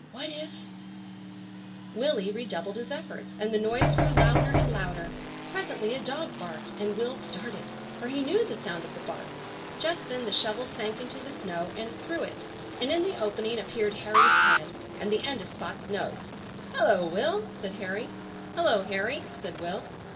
What if— Willy redoubled his efforts, and the noise grew louder and louder; presently a dog barked, and Will started, for he knew the sound of the bark. Just then the shovel sank into the snow and through it, and in the opening appeared Harry's head, and the end of Spot's nose. "Hullo, Will!" said Harry. "Hullo, Harry!" said Will.